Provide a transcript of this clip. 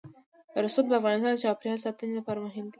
رسوب د افغانستان د چاپیریال ساتنې لپاره مهم دي.